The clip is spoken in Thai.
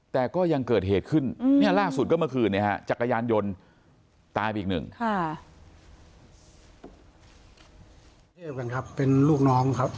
แต่ก็ยังเกิดเหตุขึ้นเนี่ยล่าสุดก็เมื่อคืนเนี่ยฮะจักรยานยนต์ตายไปอีกหนึ่ง